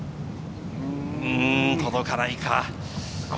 届かないか。